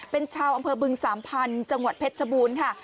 เป็นชาวอำเภอบึงสามพันธุ์จังหวัดเพชรชบูรณ์ค่ะ